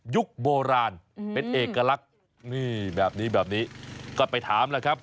โบราณเป็นเอกลักษณ์นี่แบบนี้แบบนี้ก็ไปถามแล้วครับ